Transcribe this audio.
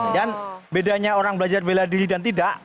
dan bedanya orang belajar beladiri dan tidak